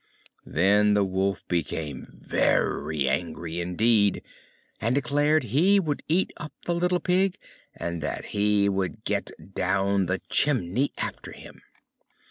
Then the Wolf was very angry indeed, and declared he would eat up the little Pig, and that he would get down the chimney after him.